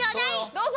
どうぞ！